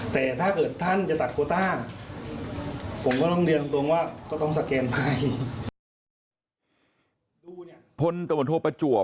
แต่ถ้าเกิดท่านจะตัดโพต้า